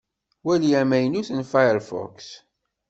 Wali amaynut n Firefox.